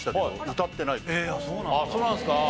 あっそうなんですか？